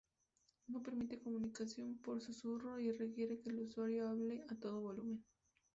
No permite comunicación por susurro y requiere que el usuario hable a todo volumen.